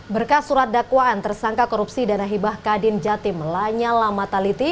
berkas surat dakwaan tersangka korupsi dana hibah kadin jatim lanyala mataliti